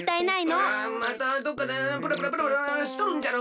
またどっかでプラプラプラプラしとるんじゃろ。